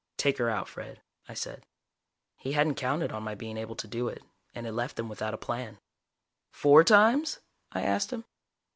"Take her out, Fred," I said. He hadn't counted on my being able to do it, and it left him without a plan. "Four times?" I asked him.